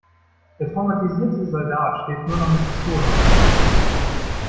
Der traumatisierte Soldat schläft nur noch mit Pistole unterm Kopfkissen.